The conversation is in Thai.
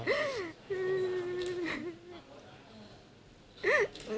ขอสารลูก